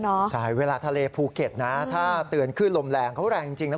ใช่เวลาทะเลภูเก็ตนะถ้าเตือนขึ้นลมแรงเขาแรงจริงนะ